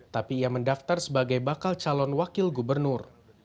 tapi ia mendaftar sebagai bakal calon wakil gubernur